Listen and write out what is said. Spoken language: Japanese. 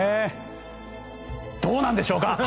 どうなんでしょうか！